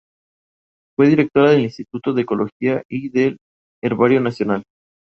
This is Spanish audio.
Fue directora del "Instituto de Ecología" y del "Herbario Nacional".